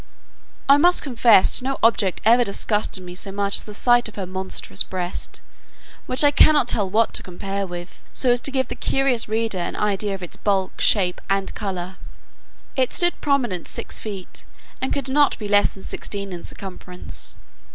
I must confess no object ever disgusted me so much as the sight of her monstrous breast, which I cannot tell what to compare with, so as to give the curious reader an idea of its bulk, shape, and colour. It stood prominent six feet, and could not be less than sixteen in circumference.